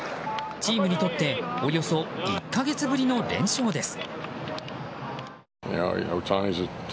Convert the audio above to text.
チームにとっておよそ１か月ぶりの連勝です。